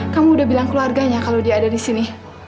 kamu udah bilang keluarganya kalau dia ada disini